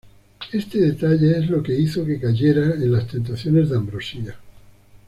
Este detalle es lo que hizo que cayera en las tentaciones de Ambrosia.